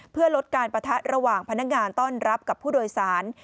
เพื่อลดการปะทะระหว่างพนักงานต้อนรับกับผู้โดยสาร